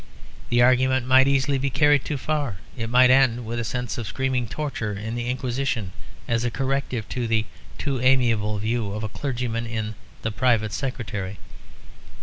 The argument might easily be carried too far; it might end with a scene of screaming torture in the Inquisition as a corrective to the too amiable view of a clergyman in The Private Secretary.